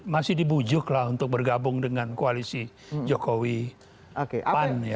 masih dibujuklah untuk bergabung dengan koalisi jokowi pan